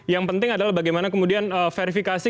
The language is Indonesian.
yang penting adalah bagaimana kemudian verifikasi